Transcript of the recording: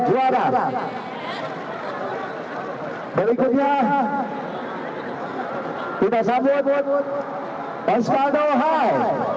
kepada juara berikutnya pindah sambut mbak asfataohae